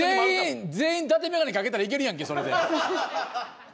全員だて眼鏡をかけたら、いけるやんけ、それで。